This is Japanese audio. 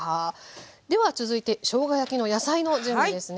では続いてしょうが焼きの野菜の準備ですね。